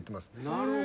なるほど。